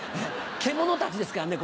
獣たちですからね